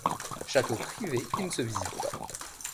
Château privé qui ne se visite pas.